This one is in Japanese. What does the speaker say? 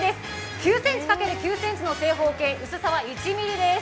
９ｃｍ×９ｃｍの正方形、薄さは１ｍｍです。